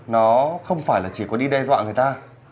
nó không phải là chỉ có đi đe dọa người ta